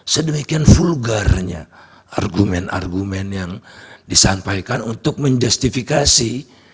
sedemikian vulgarnya argumen argumen yang disampaikan untuk menjustifikasi